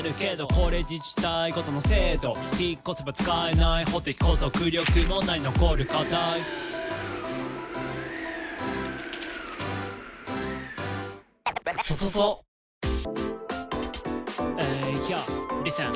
「これ自治体ごとの制度」「引っ越せば使えない法的拘束力もない残る課題」「ＹＯリーさん